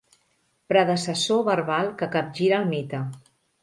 Predecessor verbal que capgira el mite.